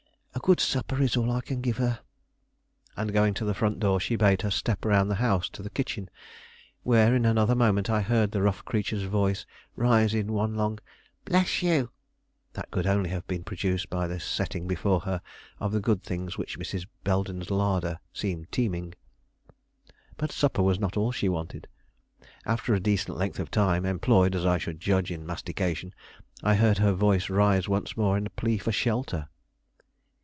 A good supper is all I can give her." And, going to the front door, she bade her step round the house to the kitchen, where, in another moment, I heard the rough creature's voice rise in one long "Bless you!" that could only have been produced by the setting before her of the good things with which Mrs. Belden's larder seemed teeming. But supper was not all she wanted. After a decent length of time, employed as I should judge in mastication, I heard her voice rise once more in a plea for shelter.